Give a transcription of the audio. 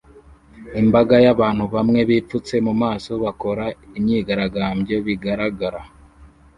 Imbaga y'abantu bamwe bipfutse mu maso bakora imyigaragambyo bigaragara